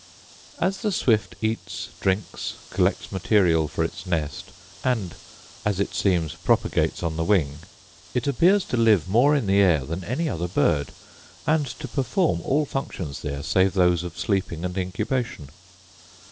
As the swift eats, drinks, collects materials for its nest, and, at it seems, propagates on the wing; it appears to live more in the air than any other bird, and to perform all functions there save those of sleeping and incubation.